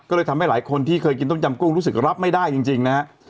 ก็เลยทำให้หลายคนที่เคยกินต้มยำกุ้งรู้สึกรับไม่ได้จริงนะฮะ